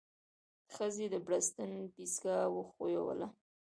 ښځې د بړستن پيڅکه وښويوله.